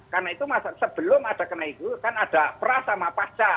karena itu sebelum ada kena itu kan ada pra sama pasca